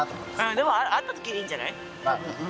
でも会った時でいいんじゃない。